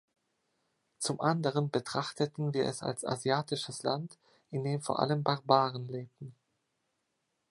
Zum anderen betrachteten wir es als asiatisches Land, in dem vor allem Barbaren lebten.